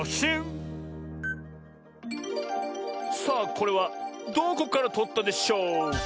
さあこれはどこからとったでしょうキャ？